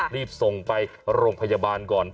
รีบส่งไปโรงพยาบาลก่อน